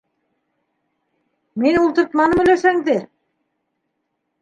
— Мин ултыртманым өләсәңде!